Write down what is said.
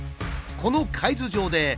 この海図上でうん。